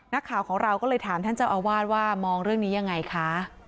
นักข่าวของเราก็เลยถามท่านเจ้าอาวาสว่ามองเรื่องนี้ยังไงคะ